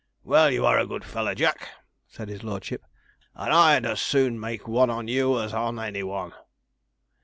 'Well, you are a good fellow. Jack,' said his lordship, 'and I'd as soon make one on you as on any one.'